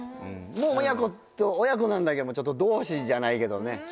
うんもう親子と親子なんだけどちょっと同志じゃないけどね